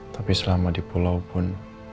tapi selama di pulau pun